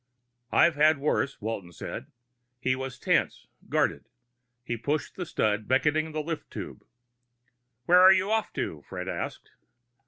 "I've had worse," Walton said. He was tense, guarded. He pushed the stud beckoning the lift tube. "Where you off to?" Fred asked.